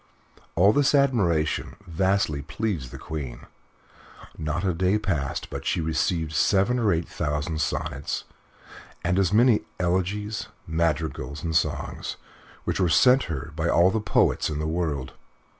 All this admiration vastly pleased the Queen. Not a day passed but she received seven or eight thousand sonnets, and as many elegies, madrigals, and songs, which were sent her by all the poets in the world.